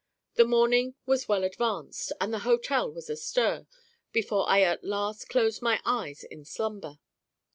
The morning was well advanced, and the hotel was astir, before I at last closed my eyes in slumber.